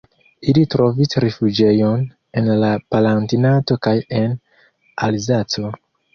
Ili trovis rifuĝejon en la Palatinato kaj en Alzaco.